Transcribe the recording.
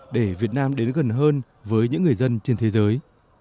để việt nam đến gần hơn với những người dân trên thế giới